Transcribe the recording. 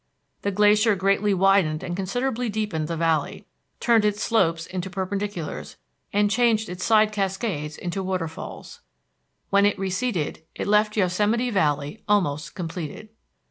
The glacier greatly widened and considerably deepened the valley, turned its slopes into perpendiculars, and changed its side cascades into waterfalls. When it receded it left Yosemite Valley almost completed.